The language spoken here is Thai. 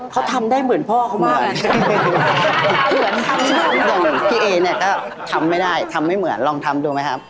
พี่เอเนี่ยก็ทำไม่ได้ทำไม่เหมือนลองทำดูไหมครับ